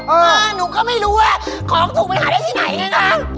หนูก็ไม่รู้ว่าของถูกไปหาได้ที่ไหนไงคะ